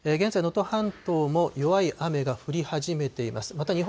現在、能登半島も弱い雨が降り始めています。